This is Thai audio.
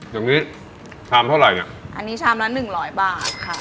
อย่างนี้ชามเท่าไหร่เนี่ยอันนี้ชามละหนึ่งร้อยบาทค่ะ